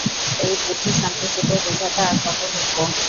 এই বুদ্ধু সন্ত্রাসীদের বোঝাতে আর কতো ভুগব?